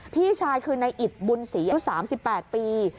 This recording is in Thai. พี่ชายคือในอิตบุญศรีทุก๓๘ปี